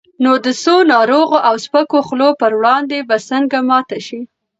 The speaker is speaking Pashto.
نو د څو ناروغو او سپکو خولو پر وړاندې به څنګه ماته شي؟